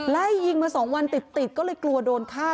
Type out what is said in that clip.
ไล่ยิงมา๒วันติดก็เลยกลัวโดนฆ่า